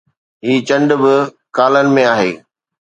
هي چنڊ به ڪالن ۾ آهي